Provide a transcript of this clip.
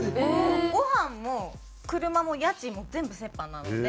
ごはんも車も家賃も全部折半なので。